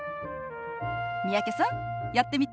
三宅さんやってみて。